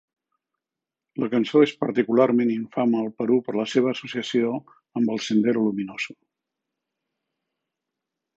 La cançó és particularment infame al Perú per la seva associació amb el Sendero Luminoso.